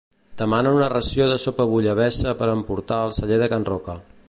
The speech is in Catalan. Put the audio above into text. Demana una ració de sopa bullabessa per emportar al Celler de Can Roca.